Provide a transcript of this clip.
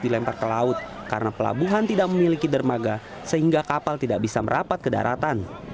dilempar ke laut karena pelabuhan tidak memiliki dermaga sehingga kapal tidak bisa merapat ke daratan